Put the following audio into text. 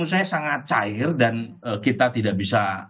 sangat cair dan kita tidak bisa